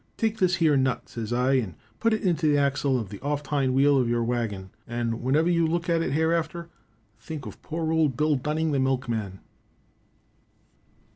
Take this here nut,' says I, 'and put it onto the exle of the oft hind wheel of your waggin, and whenever you look at it hereafter, think of poor old Bill Dunning, the milkman.'"